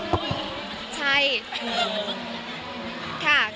มีใครปิดปาก